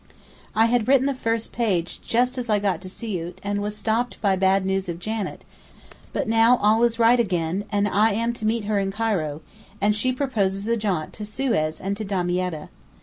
I had written the first page just as I got to Siout and was stopped by bad news of Janet; but now all is right again, and I am to meet her in Cairo, and she proposes a jaunt to Suez and to Damietta.